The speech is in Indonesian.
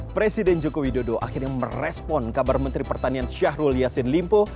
presiden joko widodo akhirnya merespon kabar menteri pertanian syahrul yassin limpo